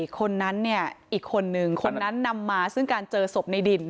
คนนั้นเนี่ยอีกคนนึงคนนั้นนำมาซึ่งการเจอศพในดิน